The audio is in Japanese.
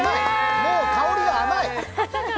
もう香りが甘い。